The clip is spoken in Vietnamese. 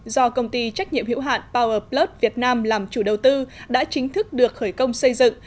do công ty trách nhiệm hiệu hạn power plus việt nam làm chủ đầu tư đã chính thức được khởi công xây dựng